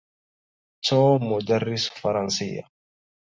توم مدرس فرنسية.